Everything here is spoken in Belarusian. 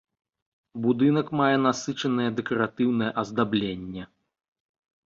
Будынак мае насычанае дэкаратыўнае аздабленне.